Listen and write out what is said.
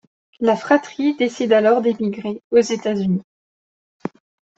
La fratrie décide alors d'émigrer aux États-Unis.